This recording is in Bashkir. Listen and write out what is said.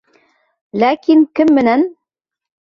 Ләкин кем менән?!